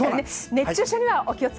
熱中症にはお気をつ